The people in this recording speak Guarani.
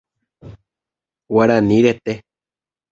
Guarani rete.